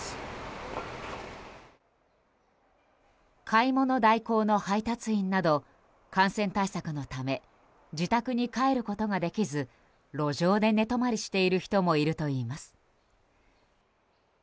買い物代行の配達員など感染対策のため自宅に帰ることができず路上で寝泊まりしている人もいるといいます。